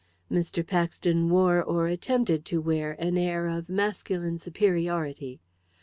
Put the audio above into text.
Mr. Paxton wore, or attempted to wear, an air of masculine superiority.